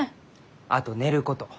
・あと寝ること。